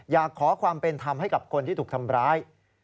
อยากขอความเป็นธรรมให้กับคนที่ถูกทำร้าย